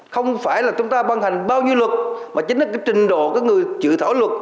không phải là chúng ta ban hành bao nhiêu luật mà chính là cái trình độ các người trự thỏ luật